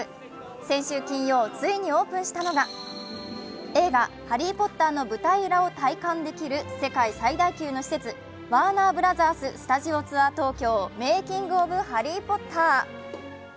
先週金曜、ついにオープンしたのが映画「ハリー・ポッター」の舞台裏を体感できる世界最大級の施設、ワーナーブラザーススタジオツアー東京−メイキング・オブ・ハリー・ポッター。